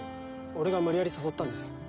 俺が無理やり誘ったんです。